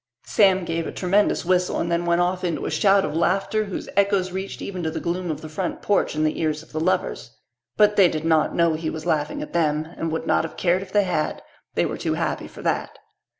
Sam gave a tremendous whistle and then went off into a shout of laughter whose echoes reached even to the gloom of the front porch and the ears of the lovers. But they did not know he was laughing at them and would not have cared if they had. They were too happy for that.